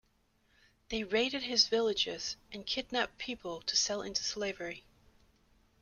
They raided his villages and kidnapped people to sell into slavery.